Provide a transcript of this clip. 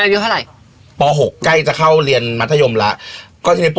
ดราม่าที่สุดในชีวิต